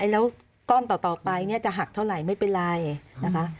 แล้วก้อนต่อไปเนี่ยจะหักเท่าไหร่ไม่เป็นไรนะคะ